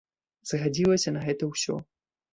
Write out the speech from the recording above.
Згадзіліся на гэта ўсе.